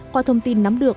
qua thông tin nắm được